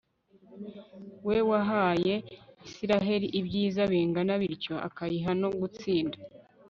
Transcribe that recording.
we wahaye israheli ibyiza bingana bityo, akayiha no gutsinda